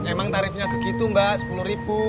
emang tarifnya segitu mbak sepuluh ribu